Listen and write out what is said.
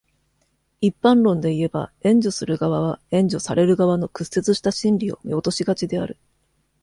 一般論でいえば、援助する側は、援助される側の屈折した心理を見落としがちである。